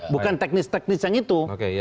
bukan teknis teknis yang itu